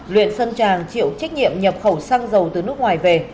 luyện xuân tràng chịu trách nhiệm nhập khẩu xăng dầu từ nước ngoài về